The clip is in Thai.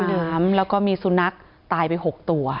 อายุแค่๑๓แล้วก็มีสุนัขตายไป๖ตัว